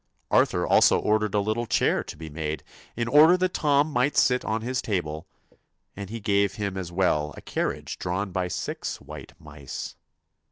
Arthur also ordered a little chair to be made, in order that Tom might sit on his table, and he gave him as well a carriage drawn by six white mice.